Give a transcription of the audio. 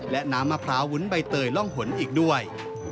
และน้ำมะพร้าววุ้นใบเตยร่องหนอีกด้วย